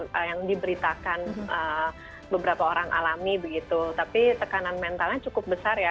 yang diberitakan beberapa orang alami begitu tapi tekanan mentalnya cukup besar ya